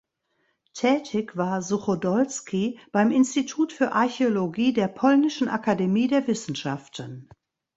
Tätig war Suchodolski beim Institut für Archäologie der Polnischen Akademie der Wissenschaften.